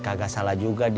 tlys nyerah jauh